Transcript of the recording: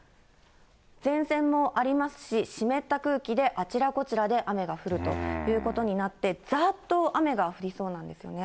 前線もありますし、湿った空気であちらこちらで雨が降るということになって、ざーっと雨が降りそうなんですね。